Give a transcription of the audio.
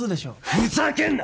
ふざけんな！